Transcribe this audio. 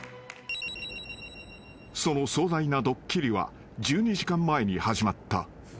［その壮大なドッキリは１２時間前に始まった］